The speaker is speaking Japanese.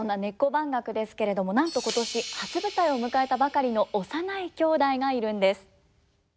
番楽ですけれどもなんと今年初舞台を迎えたばかりの幼い兄弟がいるんです。